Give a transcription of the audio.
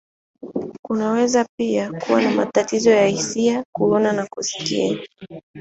Kunaweza pia kuwa na matatizo ya hisia, kuona, na kusikia.